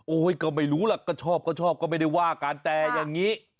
ก็ไม่รู้ล่ะก็ชอบก็ชอบก็ไม่ได้ว่ากันแต่อย่างนี้